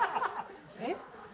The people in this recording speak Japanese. えっ？